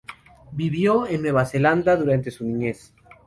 Vivió en Nueva Zelanda durante su niñez.